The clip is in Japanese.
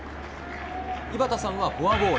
井端さんはフォアボール。